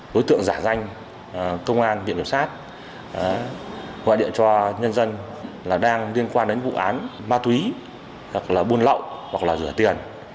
đối tượng giả danh công an viện biểm sát ngoại địa cho nhân dân đang liên quan đến vụ án ma túy buôn lậu hoặc rửa tiền